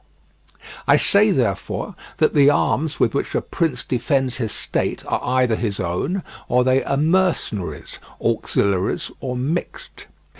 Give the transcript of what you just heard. I say, therefore, that the arms with which a prince defends his state are either his own, or they are mercenaries, auxiliaries, or mixed.